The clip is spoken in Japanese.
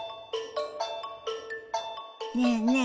ねえねえ